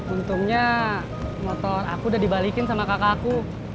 untungnya motor aku udah dibalikin sama kakak aku